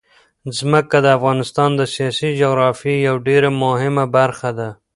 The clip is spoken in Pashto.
ځمکه د افغانستان د سیاسي جغرافیه یوه ډېره مهمه برخه ده.